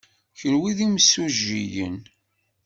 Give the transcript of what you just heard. Kenwi d imsujjiyen.